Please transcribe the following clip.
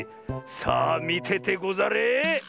さあみててござれ！